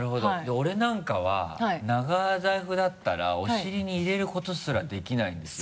俺なんかは長財布だったらお尻に入れることすらできないんですよ。